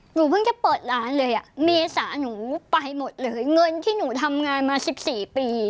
หนูเพิ่งจะเปิดร้านเลยอ่ะเมษาหนูไปหมดเลยเงินที่หนูทำงานมา๑๔ปี